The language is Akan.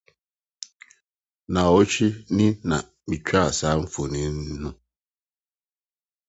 Nnawɔtwe ni na metwaa saa mfoni no